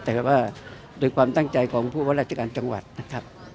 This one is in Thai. แต่ว่าโดยความตั้งใจของผู้ว่าราชการจังหวัดนะครับ